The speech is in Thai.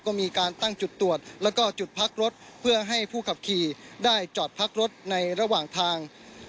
ก็มีการตั้งจุดตรวจแล้วก็จุดพักรถเพื่อให้ผู้ขับขี่ได้จอดพักรถในระหว่างทาง